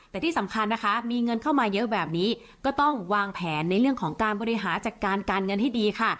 แต่ที่สำคัญนะคะมีเงินเข้ามาเยอะแบบนี้ก็ต้องวางแผนในเรื่องของการบริหารจัดการการเงินให้ดีค่ะ